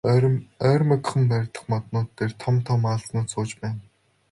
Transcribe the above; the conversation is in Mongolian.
Ойрмогхон байрлах моднууд дээр том том аалзнууд сууж байна.